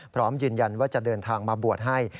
พร้อมยืนยันว่าจะเดินทางมาบวชให้